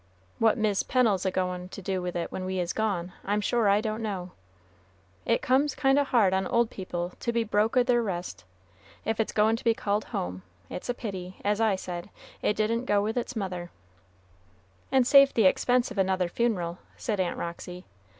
What Mis' Pennel's a goin' to do with it when we is gone, I'm sure I don't know. It comes kind o' hard on old people to be broke o' their rest. If it's goin' to be called home, it's a pity, as I said, it didn't go with its mother" "And save the expense of another funeral," said Aunt Roxy.